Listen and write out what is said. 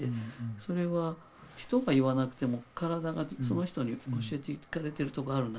それは人が言わなくても体がその人に教えてくれてるところあるな。